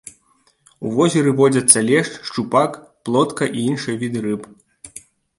У возеры водзяцца лешч, шчупак, плотка і іншыя віды рыб.